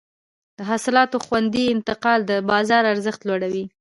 د حاصلاتو خوندي انتقال د بازار ارزښت لوړوي.